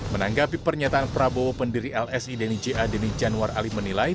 menanggapi pernyataan prabowo pendiri lsi deni j a deni januar ali menilai